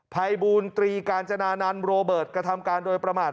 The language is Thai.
ภัยบูรตรีกาญจนานันต์โรเบิร์ตกระทำการโดยประมาท